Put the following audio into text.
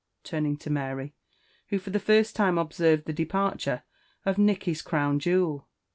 turning to Mary, who for the first time observed the departure of Nicky's crown jewel.